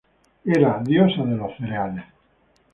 Era diosa de los cereales.